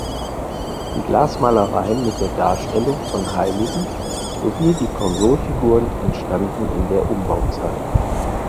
Die Glasmalereien mit der Darstellung von Heiligen sowie die Konsolfiguren entstanden in der Umbauzeit.